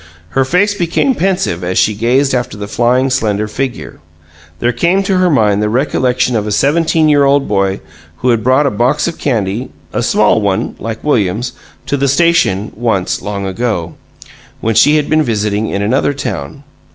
Her face became pensive as she gazed after the flying slender figure: there came to her mind the recollection of a seventeen year old boy who had brought a box of candy (a small one, like William's) to the station, once, long ago, when she had been visiting in another town.